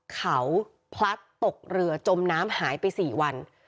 เขาพลัดตกเรือจมน้ำหายไป๔วัน